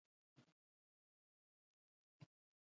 که پروژه بریالۍ نه وي باید هغوی خبر کړي.